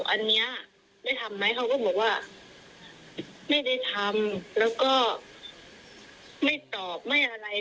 อันนี้ได้ทำไหมเขาก็บอกว่าไม่ได้ทำแล้วก็ไม่ตอบไม่อะไร